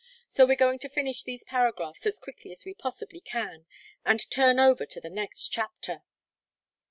So we're going to finish these paragraphs as quickly as we possibly can, and turn over to the next chapter."